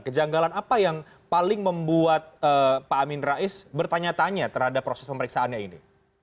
kejanggalan apa yang paling membuat pak amin rais bertanya tanya terhadap proses pemeriksaannya ini